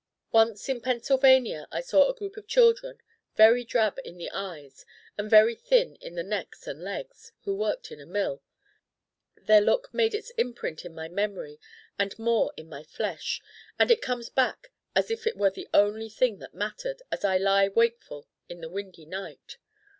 Once in Pennsylvania I saw a group of children, very Drab in the Eyes and very thin in the necks and legs, who worked in a mill. Their look made its imprint in my memory and more in my flesh. And it comes back as if it were the only thing that mattered as I lie wakeful in the windy night.